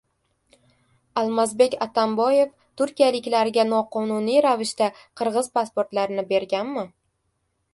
Almazbek Atamboyev turkiyaliklarga noqonuniy ravishda qirg‘iz pasportlarini berganmi?